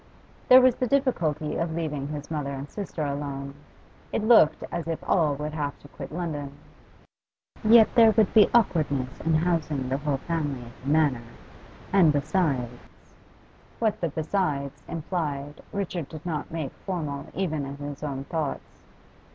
There was the difficulty of leaving his mother and sister alone. It looked as if all would have to quit London. Yet there would be awkwardness in housing the whole family at the Manor; and besides What the 'besides' implied Richard did not make formal even in his own thoughts.